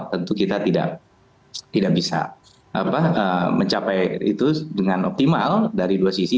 tentu kita tidak bisa mencapai itu dengan optimal dari dua sisi